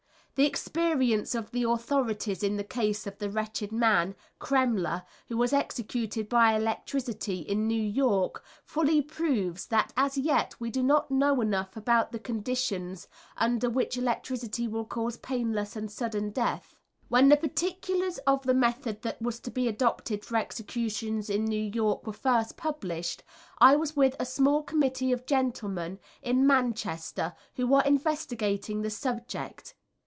The experience of the authorities in the case of the wretched man, Kremmler, who was executed by electricity in New York, fully proves that as yet we do not know enough about the conditions under which electricity will cause painless and sudden death. When particulars of the method that was to be adopted for executions in New York were first published, I was with a small committee of gentlemen in Manchester who were investigating the subject.